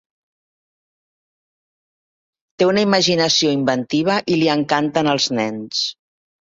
Té una imaginació inventiva i li encanten els nens.